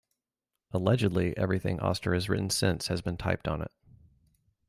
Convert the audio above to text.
Allegedly, everything Auster has written since has been typed on it.